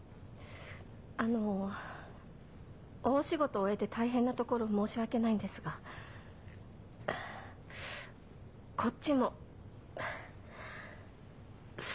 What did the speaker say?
あの大仕事を終えて大変なところ申し訳ないんですがこっちもそろそろ。